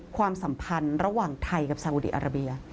ความสัมพันธ์ระหว่างไทยกับซาอุดีอาราเบีย